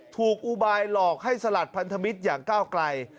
อุบายหลอกให้สลัดพันธมิตรอย่างก้าวไกล